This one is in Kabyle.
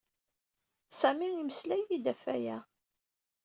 Sami imeslay-iyi-d ɣef waya.